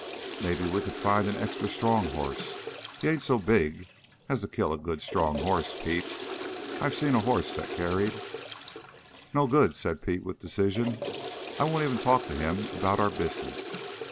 "Maybe we could find an extra strong hoss. He ain't so big as to kill a good strong hoss, Pete. I've seen a hoss that carried " "No good," said Pete with decision. "I wouldn't even talk to him about our business.